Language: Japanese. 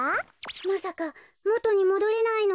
まさかもとにもどれないの？